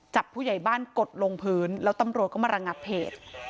ผู้ใหญ่บ้านกดลงพื้นแล้วตำรวจก็มาระงับเหตุ